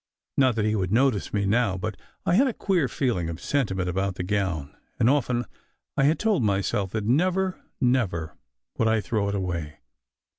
Not that he would notice me now ! But I had a queer feeling of sentiment about the gown, and often I had told myself that never, never would I throw it away.